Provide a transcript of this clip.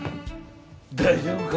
大丈夫か？